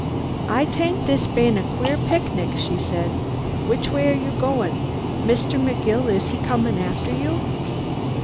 "I tank this bane a queer picnic!" she said. "Which way are you going? Mr. McGill, is he coming after you?"